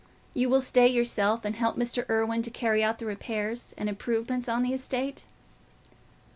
"You will stay yourself, and help Mr. Irwine to carry out the repairs and improvements on the estate?"